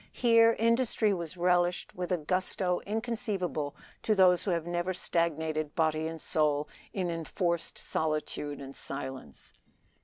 Here industry was relished with a gusto inconceivable to those who have never stagnated body and soul in enforced solitude and silence.